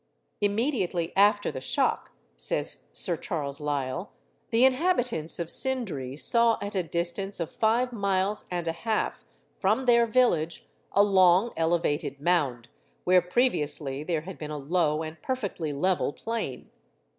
'Immediately after the shock,' says Sir Charles Lyell, 'the inhabitants of Sindree saw at a distance of five miles and a half from their village a long elevated mound, where previously there had been a low and perfectly level plain.